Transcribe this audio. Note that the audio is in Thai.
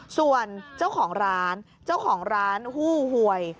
ส่วนเจ้าของร้านเจ้าของร้านฮู้หวย